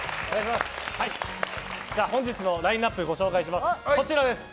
本日のラインアップご紹介します。